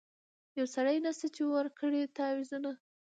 یو سړی نسته چي ورکړي تعویذونه